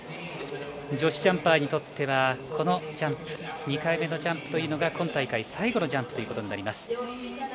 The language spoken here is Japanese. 女子ジャンパーにとっては２回目のジャンプというのが今大会最後のジャンプとなります。